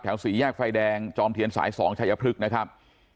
แถวสี่แยกไฟแดงจอมเทียนสายสองชายพลึกนะครับ